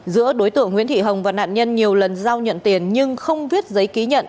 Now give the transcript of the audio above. giữa đối tượng nguyễn thị hồng và nạn nhân nhiều lần giao nhận tiền nhưng không viết giấy ký nhận